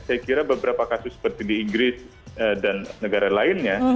saya kira beberapa kasus seperti di inggris dan negara lainnya